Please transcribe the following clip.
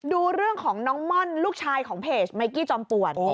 ดูเรื่องของน้องม่อนลูกชายของเพจไมกี้จอมปลวด